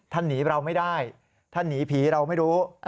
หนีเราไม่ได้ท่านหนีผีเราไม่รู้